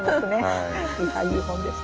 いやいい本でした。